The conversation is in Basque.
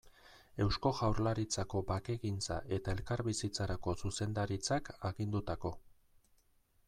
Eusko Jaurlaritzako Bakegintza eta Elkarbizitzarako Zuzendaritzak agindutako.